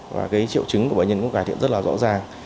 và cái triệu chứng của bệnh nhân cũng cải thiện rất là rõ ràng